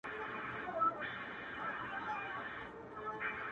زه مي ټوله ژوندون ومه پوروړی-